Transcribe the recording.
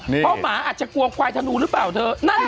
เพราะหมาอาจจะกลัวควายธนูหรือเปล่าเธอ